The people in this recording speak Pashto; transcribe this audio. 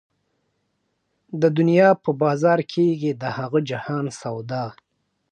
د دنيا په بازار کېږي د هغه جهان سودا